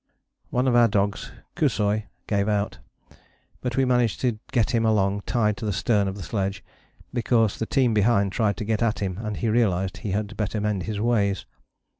One of our dogs, Kusoi, gave out, but we managed to get him along tied to the stern of the sledge, because the team behind tried to get at him and he realized he had better mend his ways.